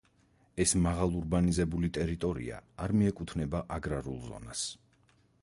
ეს მაღალურბანიზებული ტერიტორია არ მიეკუთვნება აგრარულ ზონას.